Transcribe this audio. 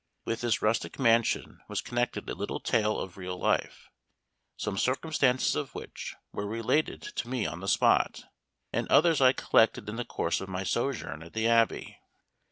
With this rustic mansion was connected a little tale of real life, some circumstances of which were related to me on the spot, and others I collected in the course of my sojourn at the Abbey.